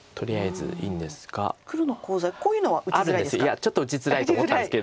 いやちょっと打ちづらいと思ったんですけど。